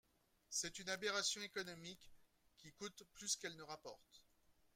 C’est une aberration économique, qui coûte plus qu’elle ne rapporte.